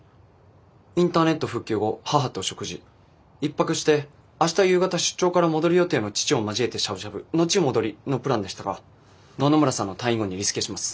インターネット復旧後母と食事１泊して明日夕方出張から戻り予定の父を交えてしゃぶしゃぶのち戻りのプランでしたが野々村さんの退院後にリスケします。